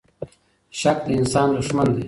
شک د انسان دښمن دی.